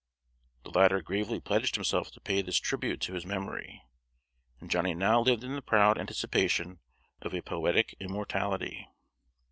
The latter gravely pledged himself to pay this tribute to his memory, and Johnny now lived in the proud anticipation of a poetic immortality.